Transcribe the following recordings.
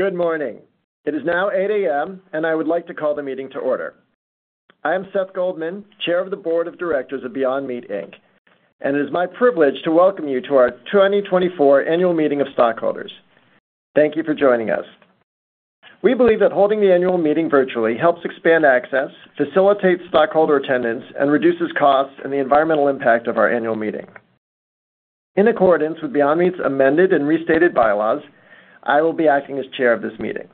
Good morning. It is now 8:00 A.M., and I would like to call the meeting to order. I am Seth Goldman, Chair of the Board of Directors of Beyond Meat, Inc., and it is my privilege to welcome you to our 2024 Annual Meeting of Stockholders. Thank you for joining us. We believe that holding the annual meeting virtually helps expand access, facilitates stockholder attendance, and reduces costs and the environmental impact of our annual meeting. In accordance with Beyond Meat's amended and restated bylaws, I will be acting as chair of this meeting.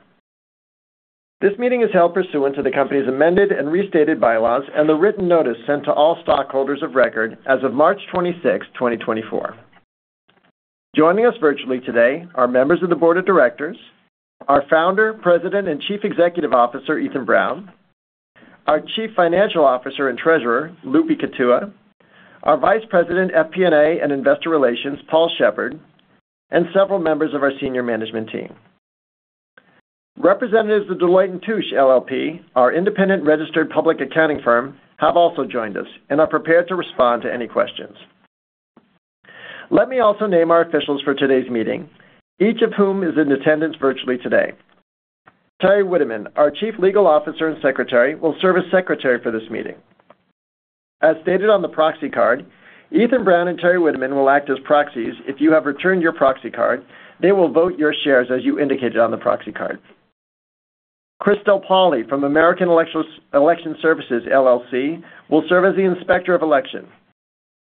This meeting is held pursuant to the company's amended and restated bylaws and the written notice sent to all stockholders of record as of March 26th, 2024. Joining us virtually today are members of the board of directors, our Founder, President, and Chief Executive Officer, Ethan Brown, our Chief Financial Officer and Treasurer, Lubi Kutua, our Vice President, FP&A, and Investor Relations, Paul Sheppard, and several members of our senior management team. Representatives of Deloitte & Touche LLP, our independent registered public accounting firm, have also joined us and are prepared to respond to any questions. Let me also name our officials for today's meeting, each of whom is in attendance virtually today. Teri Witteman, our Chief Legal Officer and Secretary, will serve as secretary for this meeting. As stated on the proxy card, Ethan Brown and Teri Witteman will act as proxies. If you have returned your proxy card, they will vote your shares as you indicated on the proxy card. Christel Pauli from American Election Services, LLC, will serve as the Inspector of Election.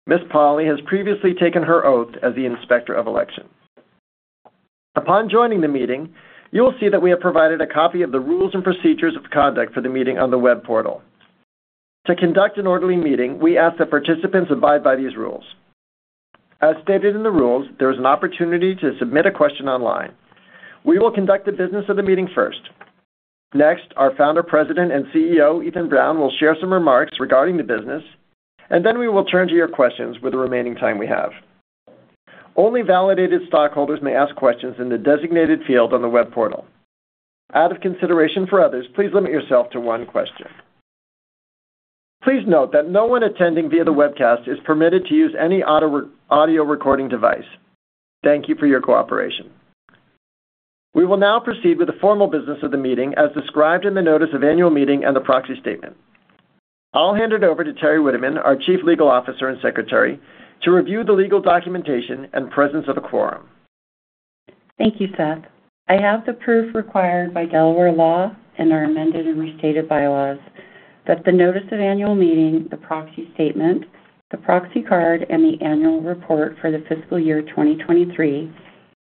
Ms. Pauli has previously taken her oath as the Inspector of Election. Upon joining the meeting, you will see that we have provided a copy of the rules and procedures of conduct for the meeting on the web portal. To conduct an orderly meeting, we ask that participants abide by these rules. As stated in the rules, there is an opportunity to submit a question online. We will conduct the business of the meeting first. Next, our founder, president, and CEO, Ethan Brown, will share some remarks regarding the business, and then we will turn to your questions with the remaining time we have. Only validated stockholders may ask questions in the designated field on the web portal. Out of consideration for others, please limit yourself to one question. Please note that no one attending via the webcast is permitted to use any audio recording device. Thank you for your cooperation. We will now proceed with the formal business of the meeting, as described in the notice of annual meeting and the proxy statement. I'll hand it over to Teri Witteman, our Chief Legal Officer and Secretary, to review the legal documentation and presence of a quorum. Thank you, Seth. I have the proof required by Delaware law and our amended and restated bylaws that the notice of annual meeting, the proxy statement, the proxy card, and the annual report for the fiscal year 2023,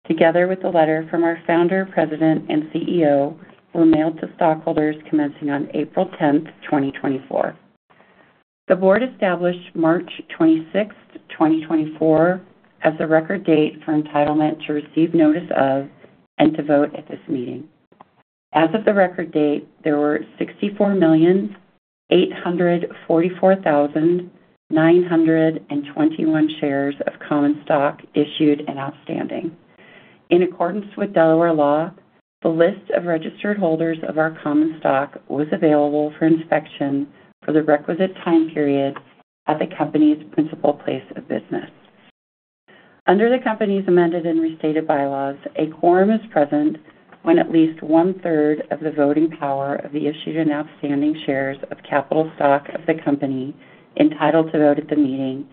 together with a letter from our Founder, President, and CEO, were mailed to stockholders commencing on April 10, 2024. The board established March 26, 2024, as the record date for entitlement to receive notice of and to vote at this meeting. As of the record date, there were 64,844,921 shares of common stock issued and outstanding. In accordance with Delaware law, the list of registered holders of our common stock was available for inspection for the requisite time period at the company's principal place of business. Under the company's amended and restated bylaws, a quorum is present when at least one-third of the voting power of the issued and outstanding shares of capital stock of the company, entitled to vote at the meeting,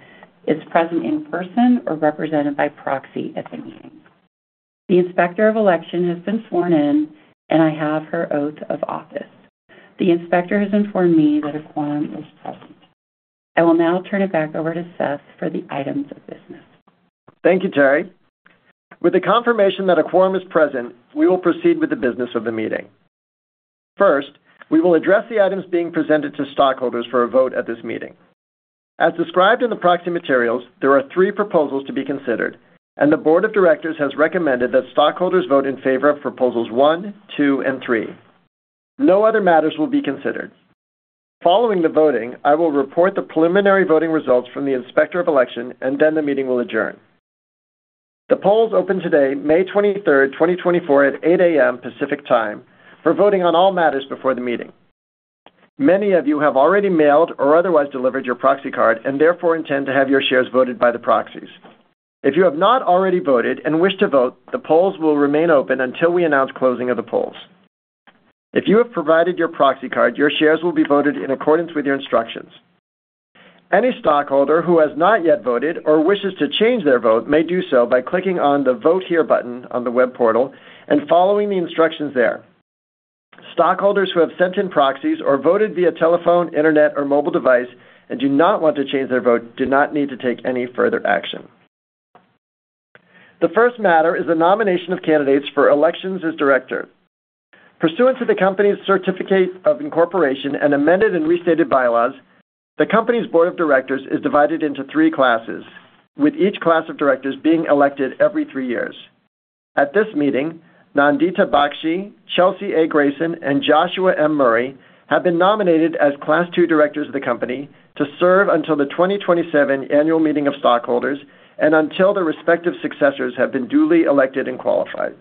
is present in person or represented by proxy at the meeting. The Inspector of Election has been sworn in, and I have her oath of office. The Inspector has informed me that a quorum is present. I will now turn it back over to Seth for the items of business. Thank you, Teri. With the confirmation that a quorum is present, we will proceed with the business of the meeting. First, we will address the items being presented to stockholders for a vote at this meeting. As described in the proxy materials, there are three proposals to be considered, and the board of directors has recommended that stockholders vote in favor of proposals 1, 2, and 3. No other matters will be considered. Following the voting, I will report the preliminary voting results from the Inspector of Election, and then the meeting will adjourn. The polls opened today, May 23, 2024, at 8 A.M. Pacific Time, for voting on all matters before the meeting. Many of you have already mailed or otherwise delivered your proxy card and therefore intend to have your shares voted by the proxies. If you have not already voted and wish to vote, the polls will remain open until we announce closing of the polls. If you have provided your proxy card, your shares will be voted in accordance with your instructions. Any stockholder who has not yet voted or wishes to change their vote may do so by clicking on the Vote Here button on the web portal and following the instructions there. Stockholders who have sent in proxies or voted via telephone, internet, or mobile device and do not want to change their vote do not need to take any further action. The first matter is the nomination of candidates for elections as directors. Pursuant to the company's certificate of incorporation and amended and restated bylaws, the company's board of directors is divided into three classes, with each class of directors being elected every three years. At this meeting, Nandita Bakhshi, Chelsea A. Grayson, and Joseph N. Murray have been nominated as Class II directors of the company to serve until the 2027 Annual Meeting of Stockholders and until their respective successors have been duly elected and qualified.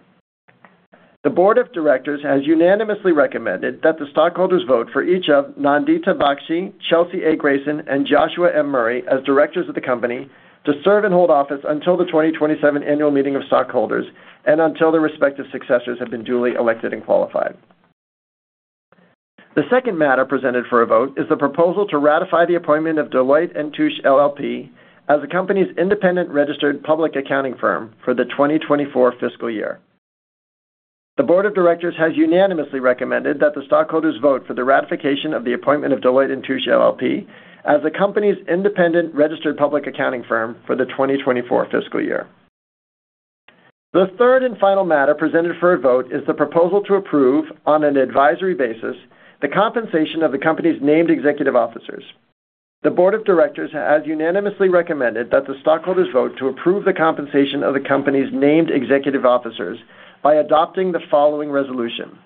The board of directors has unanimously recommended that the stockholders vote for each of Nandita Bakhshi, Chelsea A. Grayson, and Joseph N. Murray as directors of the company to serve and hold office until the 2027 Annual Meeting of Stockholders and until their respective successors have been duly elected and qualified.... The second matter presented for a vote is the proposal to ratify the appointment of Deloitte & Touche LLP as the company's independent registered public accounting firm for the 2024 fiscal year. The board of directors has unanimously recommended that the stockholders vote for the ratification of the appointment of Deloitte & Touche LLP as the company's independent registered public accounting firm for the 2024 fiscal year. The third and final matter presented for a vote is the proposal to approve, on an advisory basis, the compensation of the company's named executive officers. The board of directors has unanimously recommended that the stockholders vote to approve the compensation of the company's named executive officers by adopting the following resolution: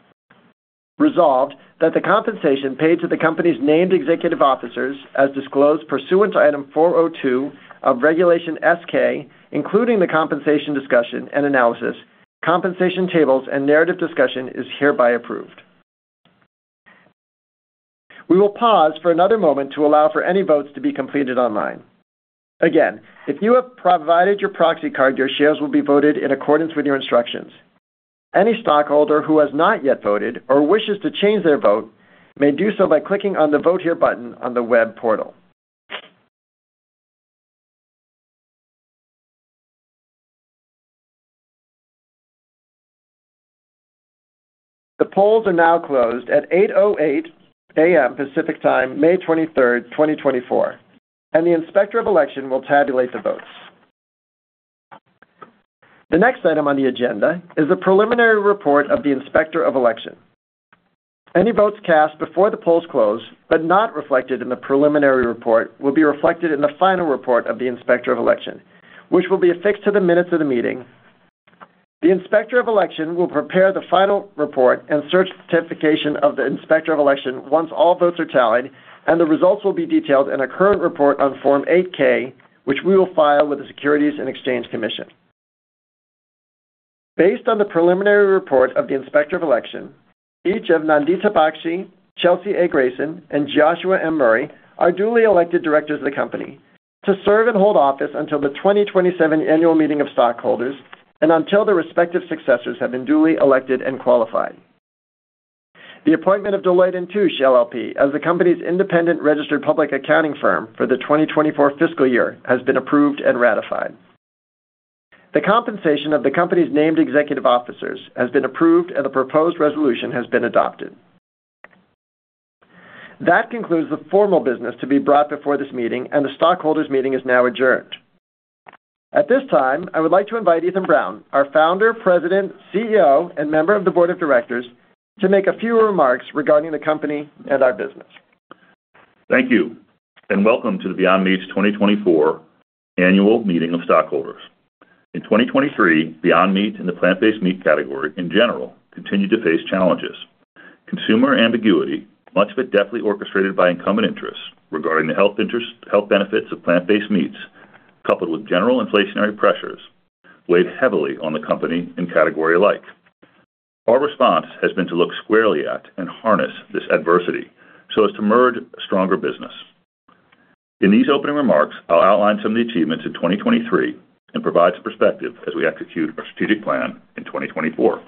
Resolved, that the compensation paid to the company's named executive officers, as disclosed pursuant to Item 402 of Regulation S-K, including the Compensation Discussion and Analysis, compensation tables, and narrative discussion, is hereby approved. We will pause for another moment to allow for any votes to be completed online. Again, if you have provided your proxy card, your shares will be voted in accordance with your instructions. Any stockholder who has not yet voted or wishes to change their vote may do so by clicking on the Vote Here button on the web portal. The polls are now closed at 8:08 A.M. Pacific Time, May 23rd, 2024, and the Inspector of Election will tabulate the votes. The next item on the agenda is the preliminary report of the Inspector of Election. Any votes cast before the polls close but not reflected in the preliminary report will be reflected in the final report of the Inspector of Election, which will be affixed to the minutes of the meeting. The Inspector of Election will prepare the final report and certification of the Inspector of Election once all votes are tallied, and the results will be detailed in a current report on Form 8-K, which we will file with the Securities and Exchange Commission. Based on the preliminary report of the Inspector of Election, each of Nandita Bakhshi, Chelsea A. Grayson, and Joseph N. Murray are duly elected directors of the company to serve and hold office until the 2027 Annual Meeting of Stockholders and until their respective successors have been duly elected and qualified. The appointment of Deloitte & Touche LLP as the company's independent registered public accounting firm for the 2024 fiscal year has been approved and ratified. The compensation of the company's named executive officers has been approved, and the proposed resolution has been adopted. That concludes the formal business to be brought before this meeting, and the stockholders meeting is now adjourned. At this time, I would like to invite Ethan Brown, our founder, President, CEO, and member of the board of directors, to make a few remarks regarding the company and our business. Thank you, and welcome to the Beyond Meat's 2024 Annual Meeting of Stockholders. In 2023, Beyond Meat and the plant-based meat category in general continued to face challenges. Consumer ambiguity, much of it deftly orchestrated by incumbent interests regarding the health interests - health benefits of plant-based meats, coupled with general inflationary pressures, weighed heavily on the company and category alike. Our response has been to look squarely at and harness this adversity so as to emerge a stronger business. In these opening remarks, I'll outline some of the achievements in 2023 and provide some perspective as we execute our strategic plan in 2024.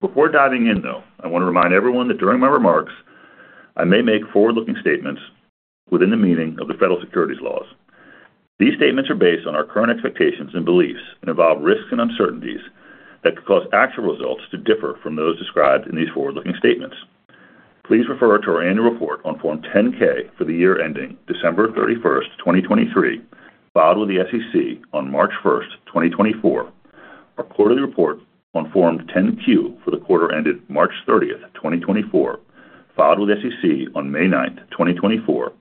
Before diving in, though, I want to remind everyone that during my remarks, I may make forward-looking statements within the meaning of the federal securities laws. These statements are based on our current expectations and beliefs and involve risks and uncertainties that could cause actual results to differ from those described in these forward-looking statements. Please refer to our Annual Report on Form 10-K for the year ending December 31, 2023, filed with the SEC on March 1, 2024, our Quarterly Report on Form 10-Q for the quarter ended March 30, 2024, filed with the SEC on May 9, 2024,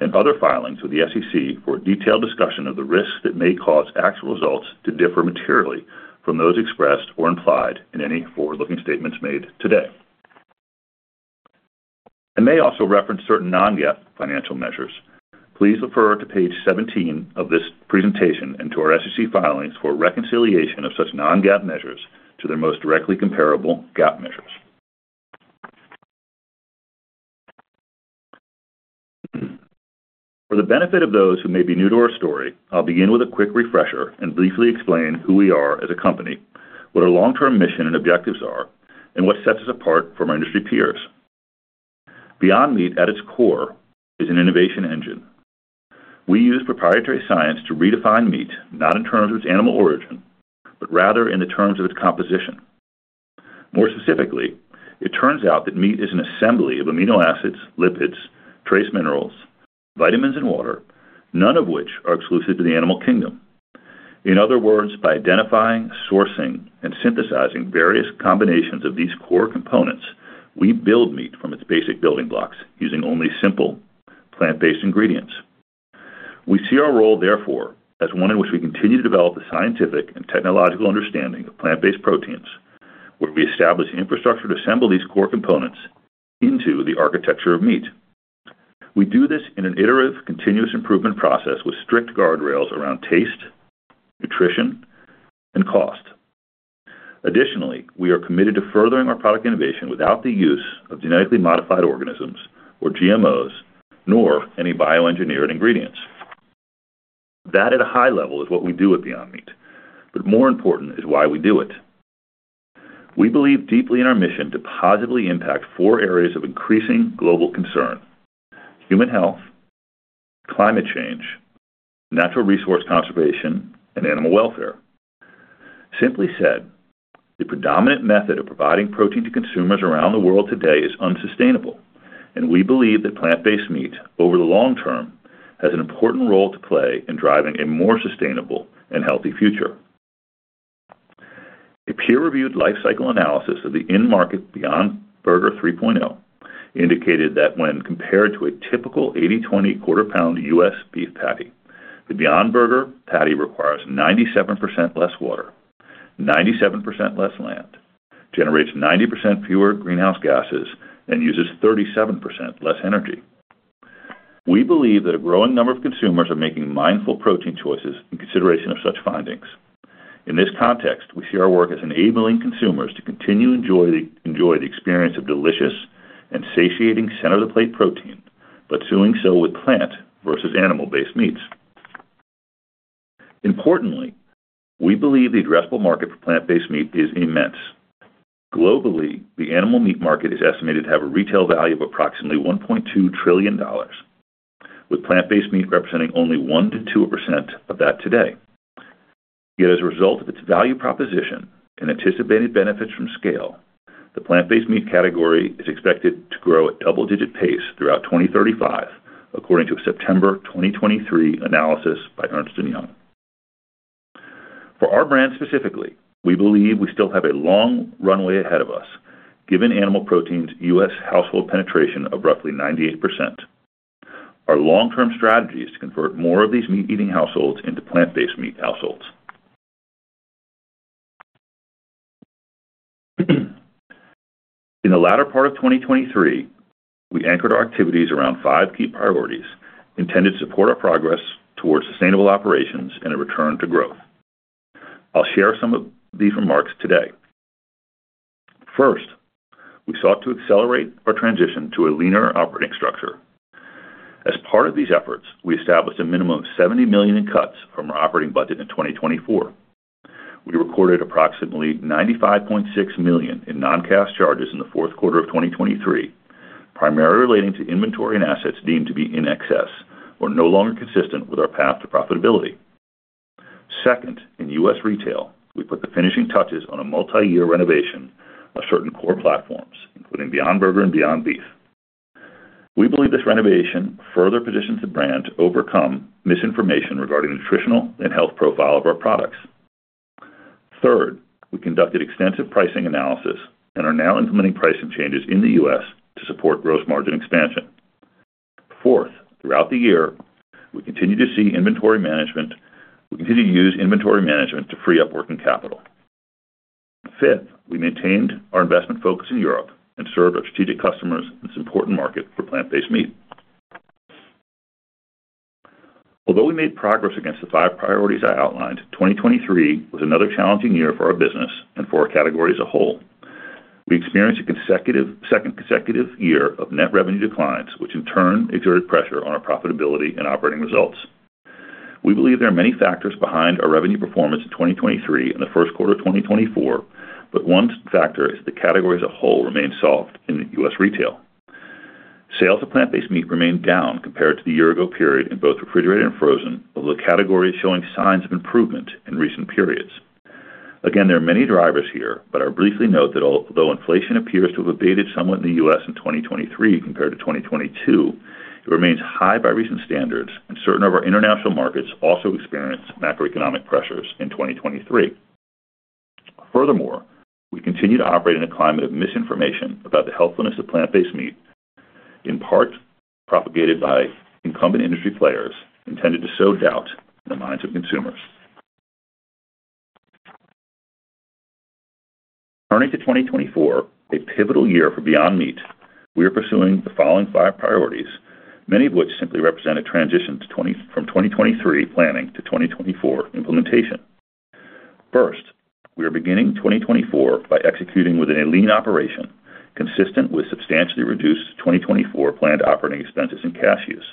and other filings with the SEC for a detailed discussion of the risks that may cause actual results to differ materially from those expressed or implied in any forward-looking statements made today. I may also reference certain non-GAAP financial measures. Please refer to page 17 of this presentation and to our SEC filings for a reconciliation of such non-GAAP measures to their most directly comparable GAAP measures. For the benefit of those who may be new to our story, I'll begin with a quick refresher and briefly explain who we are as a company, what our long-term mission and objectives are, and what sets us apart from our industry peers. Beyond Meat, at its core, is an innovation engine. We use proprietary science to redefine meat, not in terms of its animal origin, but rather in the terms of its composition. More specifically, it turns out that meat is an assembly of amino acids, lipids, trace minerals, vitamins, and water, none of which are exclusive to the animal kingdom. In other words, by identifying, sourcing, and synthesizing various combinations of these core components, we build meat from its basic building blocks using only simple, plant-based ingredients. We see our role, therefore, as one in which we continue to develop the scientific and technological understanding of plant-based proteins, where we establish the infrastructure to assemble these core components into the architecture of meat. We do this in an iterative, continuous improvement process with strict guardrails around taste, nutrition, and cost. Additionally, we are committed to furthering our product innovation without the use of genetically modified organisms or GMOs, nor any bioengineered ingredients. That at a high level is what we do at Beyond Meat, but more important is why we do it. We believe deeply in our mission to positively impact four areas of increasing global concern: human health, climate change, natural resource conservation, and animal welfare. Simply said, the predominant method of providing protein to consumers around the world today is unsustainable, and we believe that plant-based meat, over the long term, has an important role to play in driving a more sustainable and healthy future. A peer-reviewed life cycle analysis of the in-market Beyond Burger 3.0 indicated that when compared to a typical 80/20 quarter-pound U.S. beef patty, the Beyond Burger patty requires 97% less water, 97% less land, generates 90% fewer greenhouse gases, and uses 37% less energy. We believe that a growing number of consumers are making mindful protein choices in consideration of such findings. In this context, we see our work as enabling consumers to continue enjoy the experience of delicious and satiating center of the plate protein, but doing so with plant versus animal-based meats. Importantly, we believe the addressable market for plant-based meat is immense. Globally, the animal meat market is estimated to have a retail value of approximately $1.2 trillion, with plant-based meat representing only 1%-2% of that today. Yet as a result of its value proposition and anticipated benefits from scale, the plant-based meat category is expected to grow at double-digit pace throughout 2035, according to a September 2023 analysis by Ernst & Young. For our brand specifically, we believe we still have a long runway ahead of us, given animal protein's U.S. household penetration of roughly 98%. Our long-term strategy is to convert more of these meat-eating households into plant-based meat households. In the latter part of 2023, we anchored our activities around five key priorities intended to support our progress towards sustainable operations and a return to growth. I'll share some of these remarks today. First, we sought to accelerate our transition to a leaner operating structure. As part of these efforts, we established a minimum of $70 million in cuts from our operating budget in 2024. We recorded approximately $95.6 million in non-cash charges in the fourth quarter of 2023, primarily relating to inventory and assets deemed to be in excess or no longer consistent with our path to profitability. Second, in U.S. retail, we put the finishing touches on a multi-year renovation of certain core platforms, including Beyond Burger and Beyond Beef. We believe this renovation further positions the brand to overcome misinformation regarding the nutritional and health profile of our products. Third, we conducted extensive pricing analysis and are now implementing pricing changes in the U.S. to support gross margin expansion. Fourth, throughout the year, we continue to see inventory management... We continue to use inventory management to free up working capital. Fifth, we maintained our investment focus in Europe and served our strategic customers in this important market for plant-based meat. Although we made progress against the five priorities I outlined, 2023 was another challenging year for our business and for our category as a whole. We experienced a second consecutive year of net revenue declines, which in turn exerted pressure on our profitability and operating results. We believe there are many factors behind our revenue performance in 2023 and the first quarter of 2024, but one factor is the category as a whole remains soft in U.S. retail. Sales of plant-based meat remain down compared to the year ago period in both refrigerated and frozen, although the category is showing signs of improvement in recent periods. Again, there are many drivers here, but I'll briefly note that although inflation appears to have abated somewhat in the U.S. in 2023 compared to 2022, it remains high by recent standards, and certain of our international markets also experienced macroeconomic pressures in 2023. Furthermore, we continue to operate in a climate of misinformation about the healthfulness of plant-based meat, in part propagated by incumbent industry players intended to sow doubt in the minds of consumers. Turning to 2024, a pivotal year for Beyond Meat, we are pursuing the following five priorities, many of which simply represent a transition from 2023 planning to 2024 implementation. First, we are beginning 2024 by executing within a lean operation, consistent with substantially reduced 2024 planned operating expenses and cash use.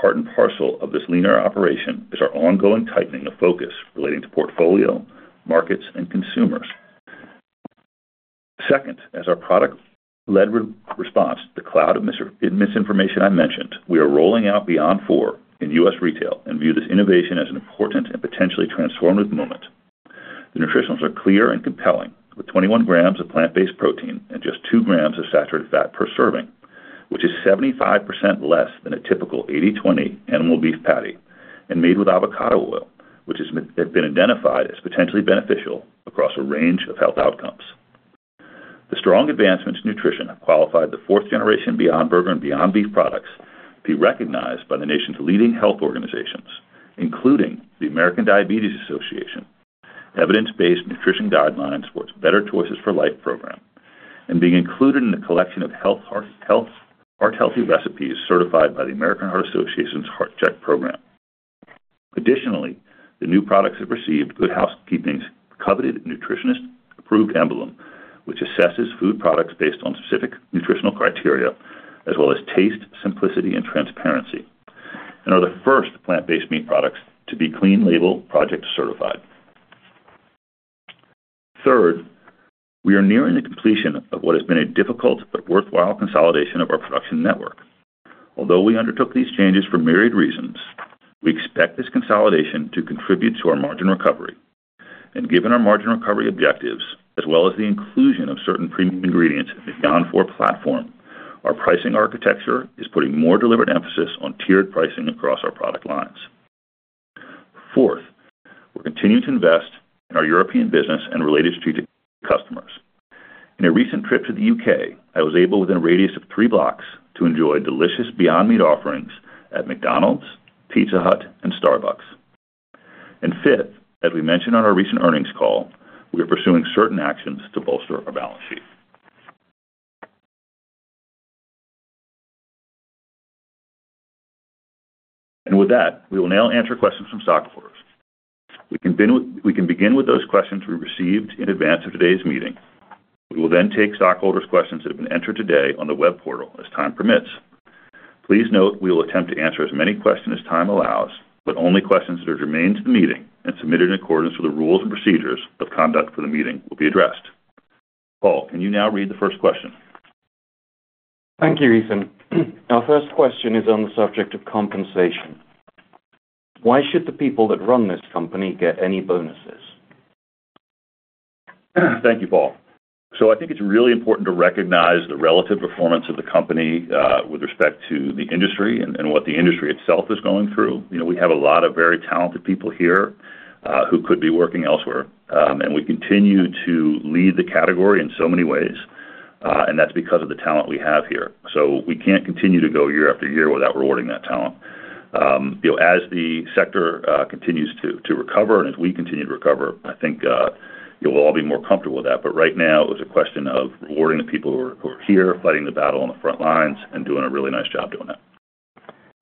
Part and parcel of this leaner operation is our ongoing tightening of focus relating to portfolio, markets, and consumers. Second, as our product-led response to the cloud of misinformation I mentioned, we are rolling out Beyond IV in U.S. retail and view this innovation as an important and potentially transformative moment. The nutritionals are clear and compelling, with 21 grams of plant-based protein and just 2 grams of saturated fat per serving, which is 75% less than a typical 80/20 animal beef patty, and made with avocado oil, which has been identified as potentially beneficial across a range of health outcomes. The strong advancements in nutrition have qualified the fourth generation Beyond Burger and Beyond Beef products to be recognized by the nation's leading health organizations, including the American Diabetes Association, evidence-based nutrition guidelines supports Better Choices for Life program, and being included in the collection of heart-healthy recipes certified by the American Heart Association's Heart-Check program. Additionally, the new products have received Good Housekeeping's coveted Nutritionist Approved emblem, which assesses food products based on specific nutritional criteria, as well as taste, simplicity, and transparency, and are the first plant-based meat products to be Clean Label Project certified. Third, we are nearing the completion of what has been a difficult but worthwhile consolidation of our production network. Although we undertook these changes for myriad reasons, we expect this consolidation to contribute to our margin recovery. And given our margin recovery objectives, as well as the inclusion of certain premium ingredients in the Beyond IV platform, our pricing architecture is putting more deliberate emphasis on tiered pricing across our product lines. Fourth, we're continuing to invest in our European business and related strategic customers. In a recent trip to the U.K., I was able, within a radius of three blocks, to enjoy delicious Beyond Meat offerings at McDonald's, Pizza Hut, and Starbucks. And fifth, as we mentioned on our recent earnings call, we are pursuing certain actions to bolster our balance sheet. And with that, we will now answer questions from stockholders. We can begin with those questions we received in advance of today's meeting. We will then take stockholders' questions that have been entered today on the web portal as time permits. Please note, we will attempt to answer as many questions as time allows, but only questions that are germane to the meeting and submitted in accordance with the rules and procedures of conduct for the meeting will be addressed. Paul, can you now read the first question? Thank you, Ethan. Our first question is on the subject of compensation. Why should the people that run this company get any bonuses? Thank you, Paul. So I think it's really important to recognize the relative performance of the company with respect to the industry and what the industry itself is going through. You know, we have a lot of very talented people here who could be working elsewhere, and we continue to lead the category in so many ways, and that's because of the talent we have here. So we can't continue to go year after year without rewarding that talent. You know, as the sector continues to recover and as we continue to recover, I think you'll all be more comfortable with that. But right now, it's a question of rewarding the people who are here, fighting the battle on the front lines and doing a really nice job doing that.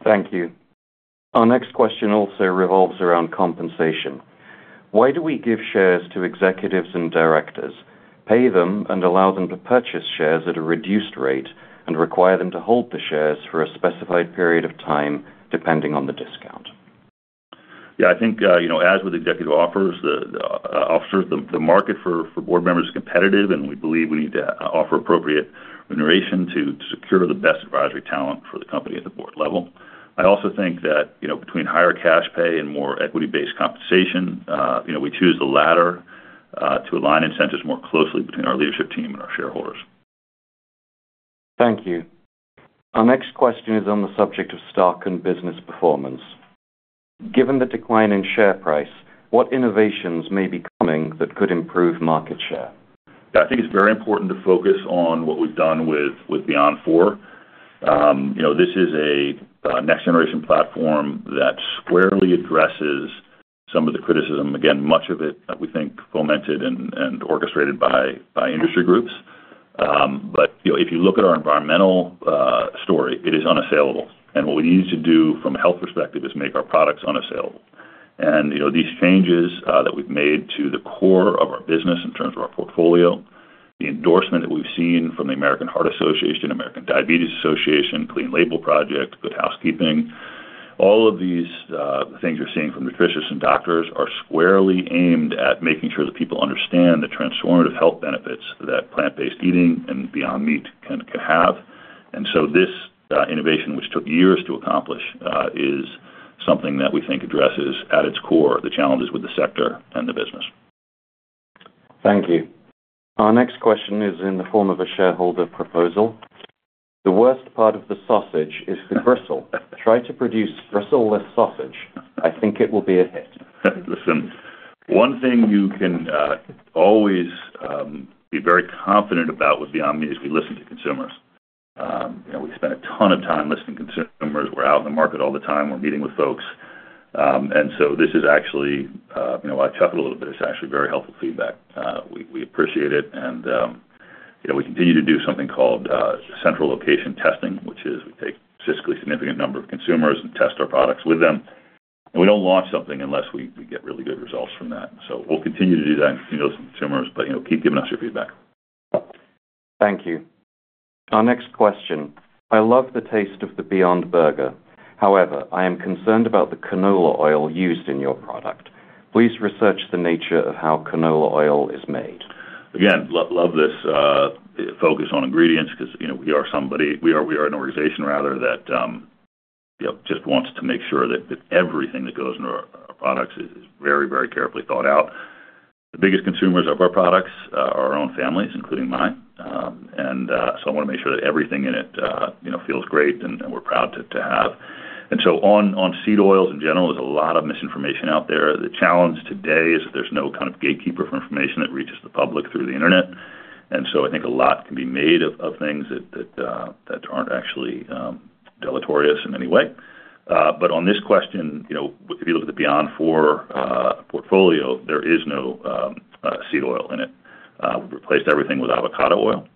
Thank you. Our next question also revolves around compensation. Why do we give shares to executives and directors, pay them and allow them to purchase shares at a reduced rate, and require them to hold the shares for a specified period of time, depending on the discount? Yeah, I think, you know, as with executive offers, the officers, the market for board members is competitive, and we believe we need to offer appropriate remuneration to secure the best advisory talent for the company at the board level. I also think that, you know, between higher cash pay and more equity-based compensation, you know, we choose the latter, to align incentives more closely between our leadership team and our shareholders. Thank you. Our next question is on the subject of stock and business performance. Given the decline in share price, what innovations may be coming that could improve market share? Yeah, I think it's very important to focus on what we've done with Beyond IV. You know, this is a next-generation platform that squarely addresses some of the criticism. Again, much of it that we think fomented and orchestrated by industry groups. But, you know, if you look at our environmental story, it is unassailable. And what we need to do from a health perspective is make our products unassailable. And, you know, these changes that we've made to the core of our business in terms of our portfolio, the endorsement that we've seen from the American Heart Association, American Diabetes Association, Clean Label Project, Good Housekeeping. All of these things you're seeing from nutritionists and doctors are squarely aimed at making sure that people understand the transformative health benefits that plant-based eating and Beyond Meat can have. This innovation, which took years to accomplish, is something that we think addresses, at its core, the challenges with the sector and the business. Thank you. Our next question is in the form of a shareholder proposal. The worst part of the sausage is the gristle. Try to produce gristle-less sausage. I think it will be a hit. Listen, one thing you can always be very confident about with Beyond Meat is we listen to consumers. You know, we spend a ton of time listening to consumers. We're out in the market all the time. We're meeting with folks. And so this is actually, you know, I chuckle a little bit. It's actually very helpful feedback. We appreciate it, and, you know, we continue to do something called central location testing, which is we take a statistically significant number of consumers and test our products with them, and we don't launch something unless we get really good results from that. So we'll continue to do that and continue those consumers, but, you know, keep giving us your feedback. Thank you. Our next question: I love the taste of the Beyond Burger. However, I am concerned about the canola oil used in your product. Please research the nature of how canola oil is made. Again, love this focus on ingredients because, you know, we are an organization, rather, that you know, just wants to make sure that everything that goes into our products is very, very carefully thought out. The biggest consumers of our products are our own families, including mine, and so I wanna make sure that everything in it you know, feels great and we're proud to have. And so, on seed oils in general, there's a lot of misinformation out there. The challenge today is that there's no kind of gatekeeper for information that reaches the public through the internet. And so I think a lot can be made of things that aren't actually deleterious in any way. But on this question, you know, if you look at the Beyond IV portfolio, there is no seed oil in it. Replaced everything with avocado oil.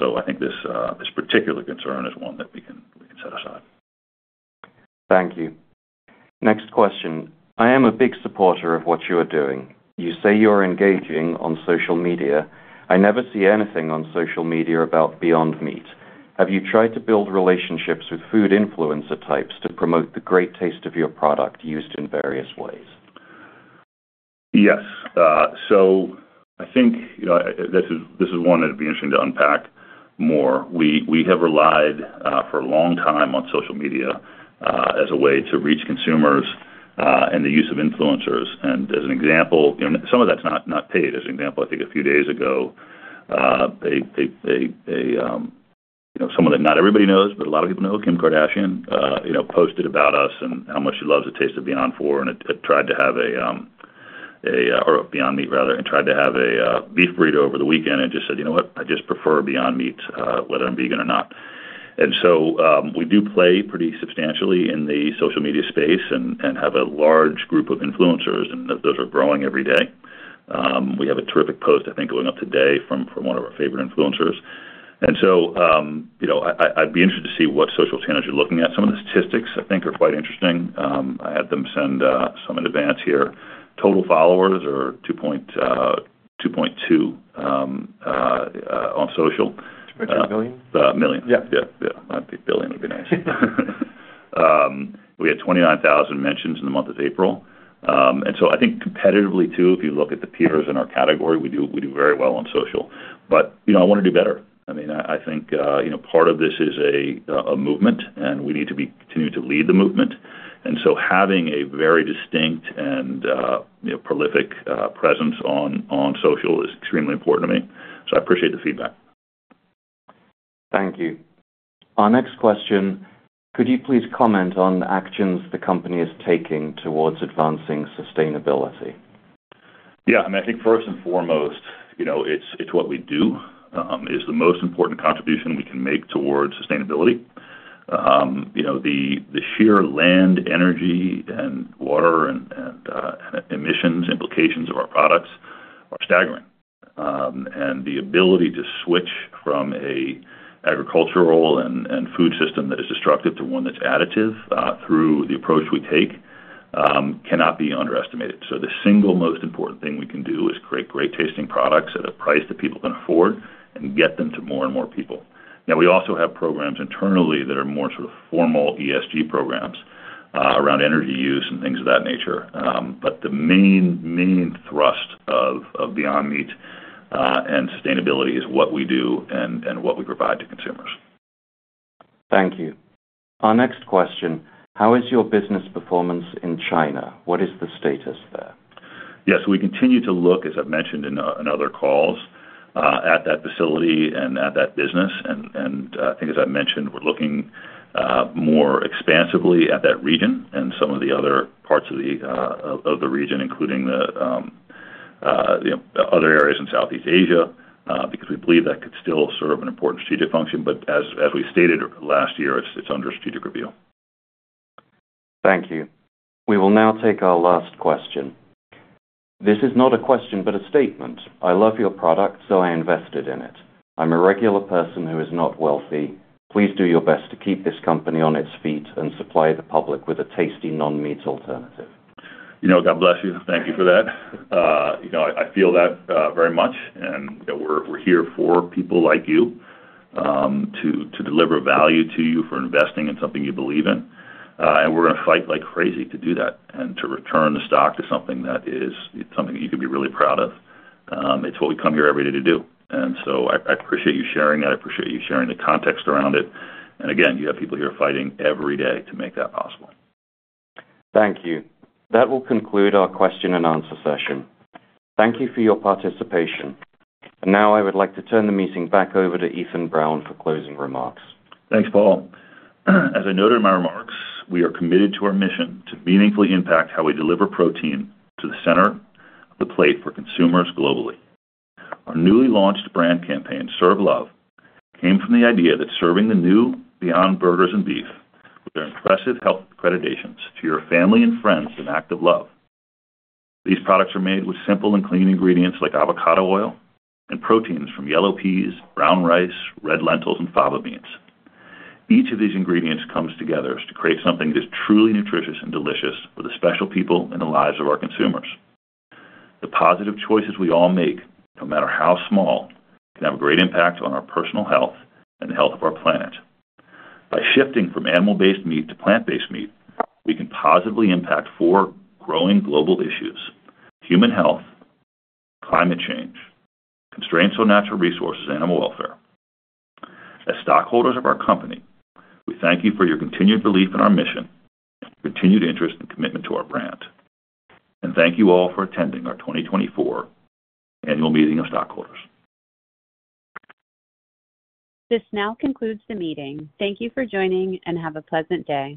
So I think this, this particular concern is one that we can, we can set aside. Thank you. Next question: I am a big supporter of what you are doing. You say you are engaging on social media. I never see anything on social media about Beyond Meat. Have you tried to build relationships with food influencer types to promote the great taste of your product used in various ways? Yes. So I think, you know, this is, this is one that'd be interesting to unpack more. We have relied for a long time on social media as a way to reach consumers and the use of influencers. And as an example, you know, some of that's not paid. As an example, I think a few days ago, you know, someone that not everybody knows, but a lot of people know, Kim Kardashian, you know, posted about us and how much she loves the taste of Beyond IV. And it tried to have a or Beyond Meat, rather, and tried to have a beef burrito over the weekend and just said, "You know what? I just prefer Beyond Meat, whether I'm vegan or not." And so, we do play pretty substantially in the social media space and have a large group of influencers, and those are growing every day. We have a terrific post, I think, going up today from one of our favorite influencers. And so, you know, I'd be interested to see what social channels you're looking at. Some of the statistics, I think, are quite interesting. I had them send some in advance here. Total followers are 2.2 on social. Million? Million. Yeah. Yeah. Yeah, a billion would be nice. We had 29,000 mentions in the month of April. And so I think competitively, too, if you look at the peers in our category, we do, we do very well on social, but, you know, I wanna do better. I mean, I think, you know, part of this is a movement, and we need to continue to lead the movement. And so having a very distinct and, you know, prolific presence on social is extremely important to me, so I appreciate the feedback. Thank you. Our next question: could you please comment on actions the company is taking toward advancing sustainability? Yeah, I mean, I think first and foremost, you know, it's what we do is the most important contribution we can make towards sustainability. You know, the sheer land, energy, and water and emissions implications of our products are staggering. And the ability to switch from an agricultural and food system that is destructive to one that's additive through the approach we take cannot be underestimated. So the single most important thing we can do is create great-tasting products at a price that people can afford and get them to more and more people. Now, we also have programs internally that are more sort of formal ESG programs around energy use and things of that nature. But the main, main thrust of Beyond Meat and sustainability is what we do and what we provide to consumers. Thank you. Our next question: How is your business performance in China? What is the status there? Yes, we continue to look, as I've mentioned in other calls, at that facility and at that business. And, I think as I've mentioned, we're looking more expansively at that region and some of the other parts of the region, including, you know, other areas in Southeast Asia, because we believe that could still serve an important strategic function. But as we stated last year, it's under strategic review. Thank you. We will now take our last question. This is not a question, but a statement: I love your product, so I invested in it. I'm a regular person who is not wealthy. Please do your best to keep this company on its feet and supply the public with a tasty non-meat alternative. You know, God bless you, and thank you for that. You know, I feel that very much, and, you know, we're here for people like you, to deliver value to you for investing in something you believe in. And we're gonna fight like crazy to do that and to return the stock to something that is something you can be really proud of. It's what we come here every day to do, and so I appreciate you sharing that. I appreciate you sharing the context around it. And again, you have people here fighting every day to make that possible. Thank you. That will conclude our question and answer session. Thank you for your participation. And now I would like to turn the meeting back over to Ethan Brown for closing remarks. Thanks, Paul. As I noted in my remarks, we are committed to our mission to meaningfully impact how we deliver protein to the center of the plate for consumers globally. Our newly launched brand campaign, Serve Love, came from the idea that serving the new Beyond Burgers and Beef with their impressive health accreditations to your family and friends is an act of love. These products are made with simple and clean ingredients like avocado oil and proteins from yellow peas, brown rice, red lentils, and fava beans. Each of these ingredients comes together to create something that is truly nutritious and delicious for the special people in the lives of our consumers. The positive choices we all make, no matter how small, can have a great impact on our personal health and the health of our planet. By shifting from animal-based meat to plant-based meat, we can positively impact four growing global issues: human health, climate change, constraints on natural resources, animal welfare. As stockholders of our company, we thank you for your continued belief in our mission, continued interest and commitment to our brand. Thank you all for attending our 2024 annual meeting of stockholders. This now concludes the meeting. Thank you for joining, and have a pleasant day.